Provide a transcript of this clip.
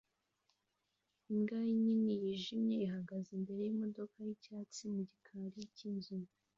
Imbwa nini yijimye ihagaze imbere yimodoka yicyatsi mu gikari cyinzu